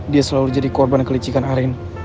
dia selalu jadi korban kelicikan arin